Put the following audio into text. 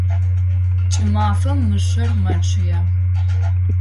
Кӏымафэм мышъэр мэчъые.